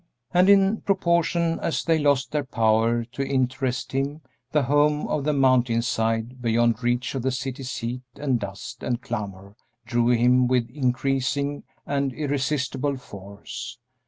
And in proportion as they lost their power to interest him the home on the mountain side, beyond reach of the city's heat and dust and clamor, drew him with increasing and irresistible force.